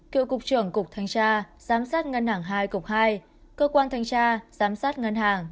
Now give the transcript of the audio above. cựu cục trưởng cục thanh tra giám sát ngân hàng hai cục hai cơ quan thanh tra giám sát ngân hàng